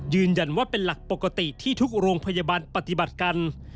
ยืนยันว่าเป็นหลักปกติที่ทุกโรงพยาบาลปฏิบัติกัน